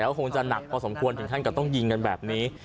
ก็คงจะหนักพอสมควรถึงขั้นกับต้องยิงกันแบบนี้